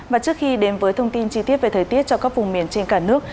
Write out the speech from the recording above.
và trước khi đến với thông tin chi tiết về thời tiết cho các vùng miền trên cả nước